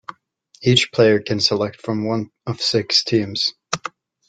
Each player can select from one of six teams.